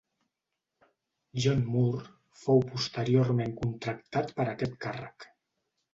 John Moore fou posteriorment contractat per a aquest càrrec.